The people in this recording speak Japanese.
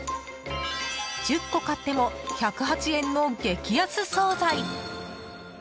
１０個買っても１０８円の激安総菜！